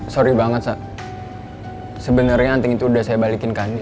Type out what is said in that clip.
sorry banget sebenernya anting itu udah saya balikin ke andi